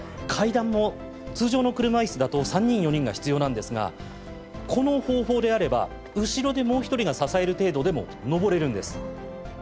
階段も通常の車いすだと３人４人が必要なんですがこの方法であれば後ろでもう一人が支える程度でも上れるんです。